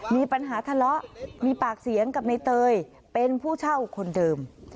มีปัญหาทะเลาะมีปากเสียงกับในเตยเป็นผู้เช่าคนเดิม